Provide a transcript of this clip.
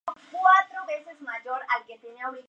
Según Eysenck esta es la dimensión social.